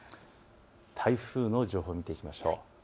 台風の情報を見ていきましょう。